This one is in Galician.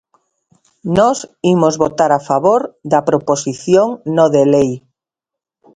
Nós imos votar a favor da proposición no de lei.